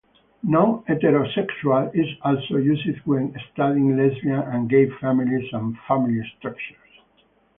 "Non-heterosexual" is also used when studying lesbian and gay families and family structures.